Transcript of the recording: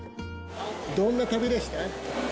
どんな旅でした？